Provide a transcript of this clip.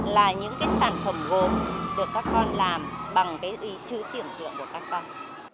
được các con làm bằng cái trí tưởng tượng của các con